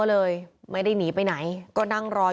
พุ่งเข้ามาแล้วกับแม่แค่สองคน